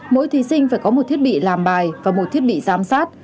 mỗi thí sinh phải có một thiết bị làm bài và một thiết bị giám sát